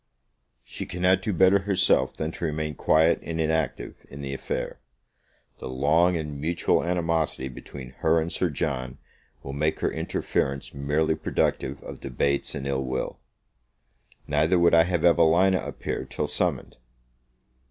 She cannot do better herself than to remain quiet and inactive in the affair: the long and mutual animosity between her and Sir John will make her interference merely productive of debates and ill will. Neither would I have Evelina appear till summoned.